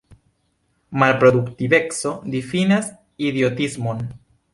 Malproduktiveco difinas idiotismon.